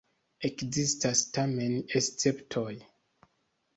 Ekzistas tamen esceptoj.